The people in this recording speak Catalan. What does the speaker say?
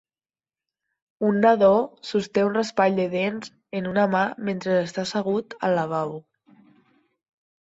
Un nadó sosté un raspall de dents en una mà mentre està assegut al lavabo.